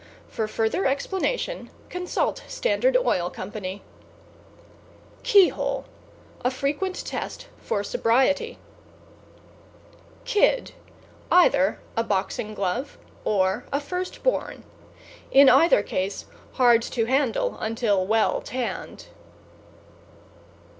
For further explanation, consult Standard Oil Company. =KEYHOLE= A frequent test for sobriety. =KID= Either a boxing glove or a first born. In either case, hard to handle until well tanned.